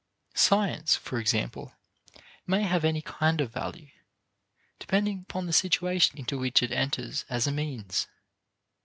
Science for example may have any kind of value, depending upon the situation into which it enters as a means.